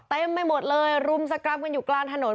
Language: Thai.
เต็มไปหมดเลยรุมสกรับกันอยู่กลานถนน